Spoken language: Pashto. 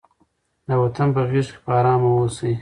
د وطن په غېږ کې په ارامه اوسئ.